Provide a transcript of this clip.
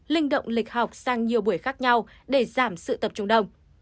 linh động lịch học sang nhiều buổi khác nhau để giảm sự tập trung đông